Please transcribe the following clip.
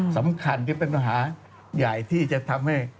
สำคัญที่เป็นปัญหาใหญ่ที่จะทำให้